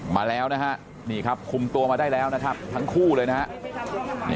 มาแล้วนะฮะนี่ครับคุมตัวมาได้แล้วนะครับทั้งคู่เลยนะฮะ